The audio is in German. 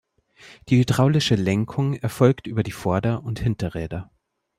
Die hydraulische Lenkung erfolgt über die Vorder- und Hinterräder.